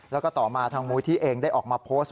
แล้วก็ต่อมาทางมูลที่เองได้ออกมาโพสต์